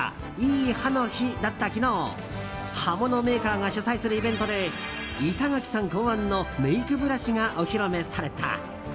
いい刃の日だった昨日刃物メーカーが主催するイベントで板垣さん考案のメイクブラシがお披露目された。